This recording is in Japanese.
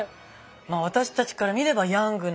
まあ私たちから見ればヤングなね